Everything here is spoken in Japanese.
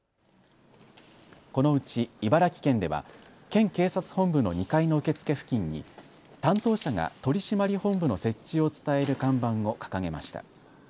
このうち茨城県では県警察本部の２階の受付付近に担当者が取締本部の設置を伝える看板を掲げました。